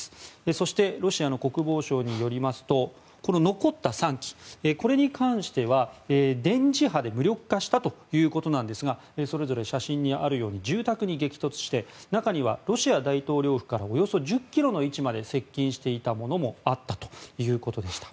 そしてロシアの国防省によりますとこの残った３機これに関しては電磁波で無力化したということですがそれぞれ写真にあるように住宅に激突して中にはロシア大統領府からおよそ１０ｋｍの位置まで接近していたものもあったということでした。